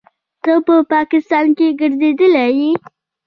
ته په پاکستان کښې ګرځېدلى يې.